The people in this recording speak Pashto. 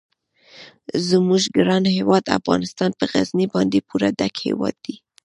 زموږ ګران هیواد افغانستان په غزني باندې پوره ډک هیواد دی.